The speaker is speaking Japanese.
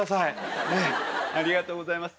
ありがとうございます。